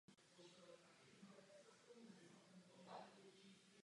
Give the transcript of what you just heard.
Pro toto úzké spojení s Arménií byly dějiny Arménie a kavkazské Albánie spojeny.